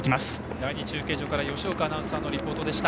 第２中継所から吉岡アナウンサーのリポートでした。